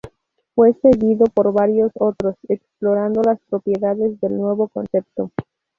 Fue seguido por varios otros, explorando las propiedades del nuevo concepto.